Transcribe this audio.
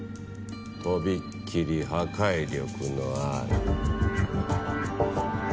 とびっきり破壊力のある。